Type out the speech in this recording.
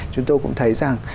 chúng tôi cũng thấy rằng